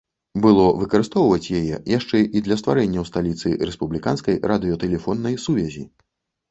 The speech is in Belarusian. Было выкарыстоўваць яе яшчэ і для стварэння ў сталіцы рэспубліканскай радыётэлефоннай сувязі.